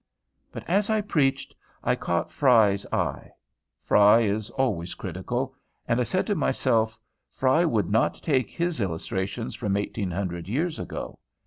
But as I preached, I caught Frye's eye. Frye is always critical; and I said to myself, "Frye would not take his illustrations from eighteen hundred years ago."